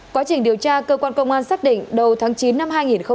quá trình điều tra cơ quan công an xác định đầu tháng chín năm hai nghìn hai mươi ba